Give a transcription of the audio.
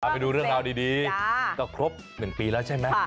ไปดูเรื่องราวดีก็ครบ๑ปีแล้วใช่ไหม